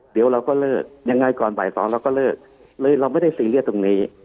เดี๋ยวเราก็เลิกยังไงก่อนบ่ายสองเราก็เลิกเลยเราไม่ได้ซีเรียสตรงนี้